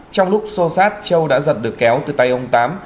trong lúc xô sát châu đã giật được kéo từ tay ông tám